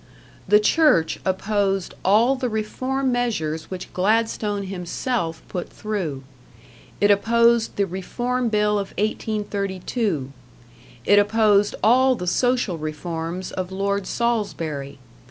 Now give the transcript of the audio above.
The Church opposed all the reform measures which Gladstone himself put through. It opposed the Reform Bill of 1832. It opposed all the social reforms of Lord Salisbury.